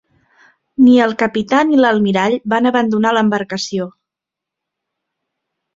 Ni el capità ni l'almirall van abandonar l'embarcació.